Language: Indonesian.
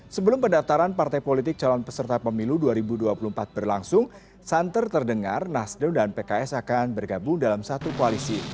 sebelum pendaftaran partai politik calon peserta pemilu dua ribu dua puluh empat berlangsung santer terdengar nasdem dan pks akan bergabung dalam satu koalisi